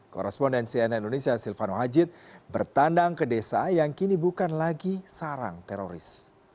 korespondensi nn indonesia silvano hajid bertandang ke desa yang kini bukan lagi sarang teroris